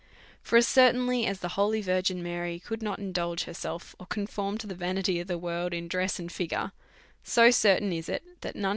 For as certainly as the holy Virgin Mary could not indulge herself, or conform to the vanity of ' r Lji the world in dress and figure, so certain is it, that none DEVOUT AND HOLY LIFE.